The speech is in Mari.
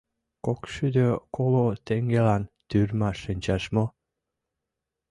— Кокшӱдӧ коло теҥгелан тюрьмаш шинчаш мо?